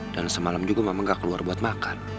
dan semalam juga mama gak keluar buat makan